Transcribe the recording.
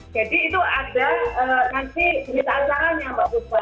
jadi itu ada nanti jenis asalannya mbak bukba